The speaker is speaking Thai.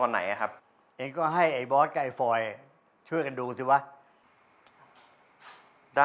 หูกระเป๋าดึงน่ะ